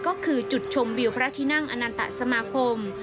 ก็คือจุดชมวิวพระที่นั่งอนันตสมาคม